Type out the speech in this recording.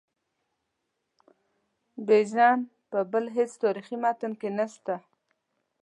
بیژن په بل هیڅ تاریخي متن کې نسته.